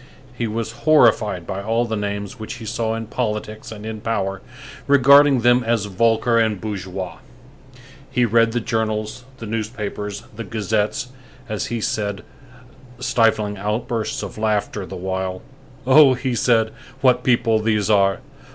He was horrified by all the names which he saw in politics and in power, regarding them as vulgar and bourgeois. He read the journals, the newspapers, the gazettes as he said, stifling outbursts of laughter the while. "Oh!" he said, "what people these are!